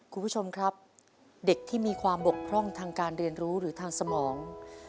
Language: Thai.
คุณผู้ชมครับเด็กที่มีความบกพร่องทางการเรียนรู้หรือทางสมอง